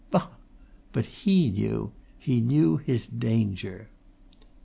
Bah! But he knew! He knew his danger."